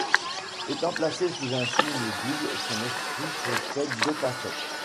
Étant placé sous un signe double son esprit possède deux facettes.